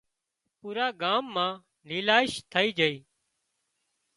پُورا ڳام مان نيلاش ٿئي جھئي